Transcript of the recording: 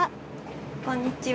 こんにちは。